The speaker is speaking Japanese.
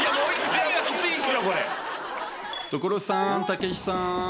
所さんたけしさん。